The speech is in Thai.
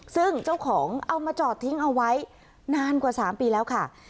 ซึ่งเจ้าของเอามาจอดทิ้งเอาไว้นานกว่า๓ปีแล้วค่ะ